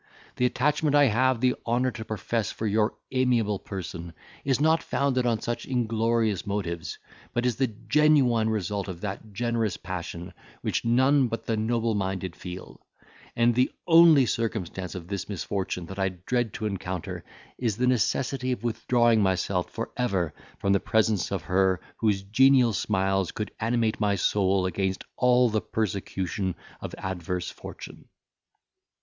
The attachment I have the honour to profess for your amiable person, is not founded on such inglorious motives, but is the genuine result of that generous passion which none but the noble minded feel, and the only circumstance of this misfortune that I dread to encounter, is the necessity of withdrawing myself for ever from the presence of her whose genial smiles could animate my soul against all the persecution of adverse fortune."